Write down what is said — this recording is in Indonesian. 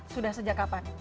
sudah sejak kapan